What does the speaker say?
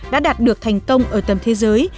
đã đạt được thành công ở tầm thế giới